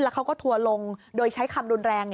เขาก็ทัวร์ลงโดยใช้คำรุนแรง